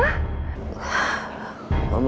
mama tenang aja ma